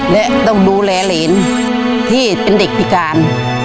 และต้องดูแลเหรนที่เป็นเด็กพิการ